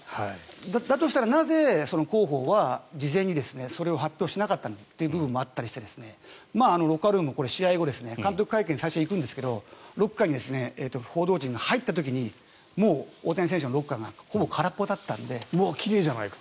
だとしたらなぜ広報は事前にそれを発表しなかったのかという部分もあってロッカールーム、試合後監督会見に最初に行くんですけどロッカーに報道陣が入った時にもう大谷選手のロッカーがうわ、奇麗じゃないか。